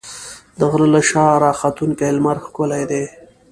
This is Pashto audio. د غره له شا راختونکی لمر ښکلی دی.